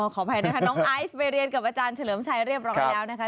ขออภัยนะคะน้องไอซ์ไปเรียนกับอาจารย์เฉลิมชัยเรียบร้อยแล้วนะคะ